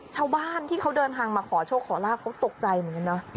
ชาวบ้านที่เขาเดินทางมาขอโชคขอลาบเขาตกใจเหมือนกันเนอะ